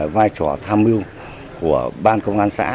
vai trò tham mưu của ban công an xã